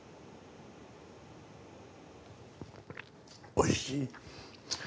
おいしい。